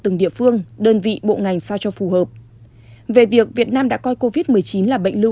từng địa phương đơn vị bộ ngành sao cho phù hợp về việc việt nam đã coi covid một mươi chín là bệnh lưu